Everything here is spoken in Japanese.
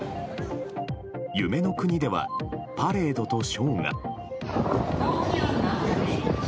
夢の国ではパレードとショーが。